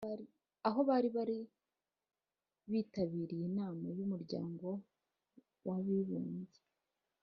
aho bari bitabiriye Inama y’Umuryango w’Abibumbye